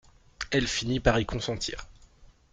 Elle finit par y consentir.